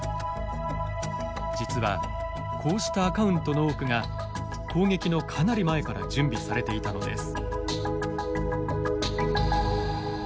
実はこうしたアカウントの多くが攻撃のかなり前から準備されていたのです。